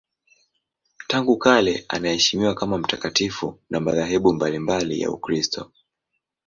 Tangu kale anaheshimiwa kama mtakatifu na madhehebu mbalimbali ya Ukristo.